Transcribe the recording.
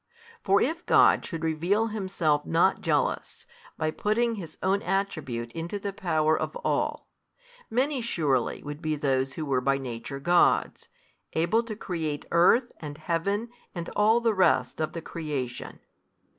For if God should reveal Himself not Jealous, by putting His Own Attribute into the power of all, many surely would be those who were by nature gods, able to create earth and heaven and all the rest of the creation.